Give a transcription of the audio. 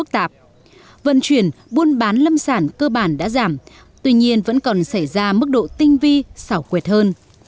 tuy nhiên vẫn còn xảy ra mức độ tinh vi xảo quyệt hơn